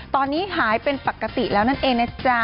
ตอนนี้หายเป็นปกติแล้วนั่นเองนะจ๊ะ